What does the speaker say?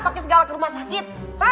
pakai segala kerumah sakit